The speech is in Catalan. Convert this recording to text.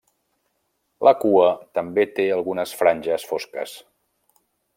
La cua també té algunes franges fosques.